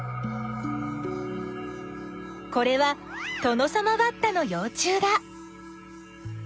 これはトノサマバッタのよう虫だ。